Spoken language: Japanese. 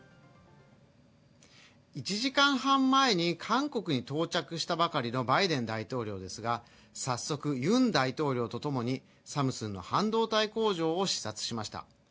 １時間半前に韓国に到着したばかりのバイデン大統領ですが、早速、ユン大統領とともにサムスンの半導体工場を視察しました。